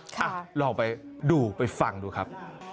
ลองไปดูไปฟังดูครับ